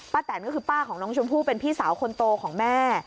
แตนก็คือป้าของน้องชมพู่เป็นพี่สาวคนโตของแม่